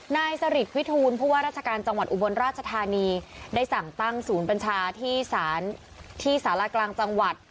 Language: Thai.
นายสริทวิทูลผู้ว่าราชการจังหวัดอุบลราชธานีได้สั่งตั้งศูนย์บัญชาที่สารที่สารกลางจังหวัด